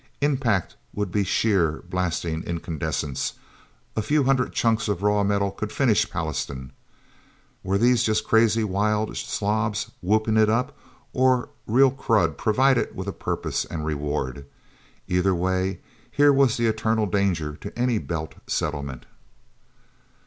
Impact would be sheer, blasting incandescence. A few hundred chunks of raw metal could finish Pallastown... Were these just crazy, wild slobs whooping it up, or real crud provided with a purpose and reward? Either way, here was the eternal danger to any Belt settlement.